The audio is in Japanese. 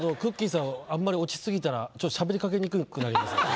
さんはあんまり落ち過ぎたらちょっとしゃべりかけにくくなりますよね。